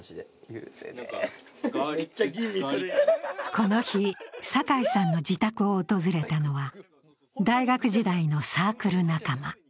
この日、酒井さんの自宅を訪れたのは、大学時代のサークル仲間。